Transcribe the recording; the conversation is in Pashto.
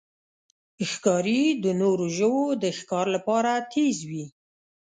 ښکاري د نورو ژوو د ښکار لپاره تیز وي.